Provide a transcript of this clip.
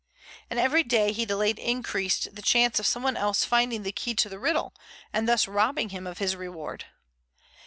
And every day he delayed increased the chance of someone else finding the key to the riddle, and thus robbing him of his reward.